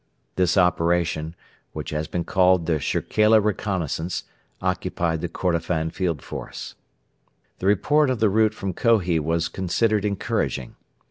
This operation, which has been called the Shirkela Reconnaissance, occupied the Kordofan Field Force. The report of the route from Kohi was considered encouraging.